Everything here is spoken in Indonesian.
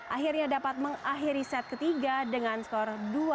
akhirnya dapat mengakhiri set ketiga dengan skor dua puluh lima delapan belas